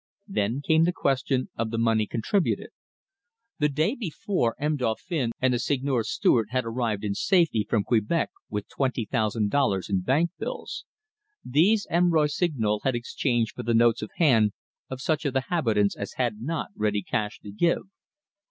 Then came the question of the money contributed. The day before, M. Dauphin and the Seigneur's steward had arrived in safety from Quebec with twenty thousand dollars in bank bills. These M. Rossignol had exchanged for the notes of hand of such of the habitants as had not ready cash to give.